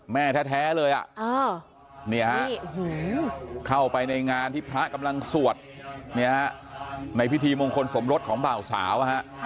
แม่แท้เลยเข้าไปในงานที่พระกำลังสวดในพิธีมงคลสมรสของบ่าวสาว